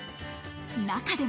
中でも。